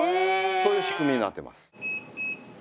そういう仕組みになってます。